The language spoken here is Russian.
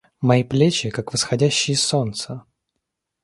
Мои плечи, как восходящие солнца!